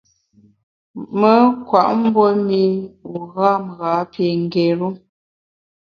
Me nkwet mbue mî u gham ghâ pi ngéru.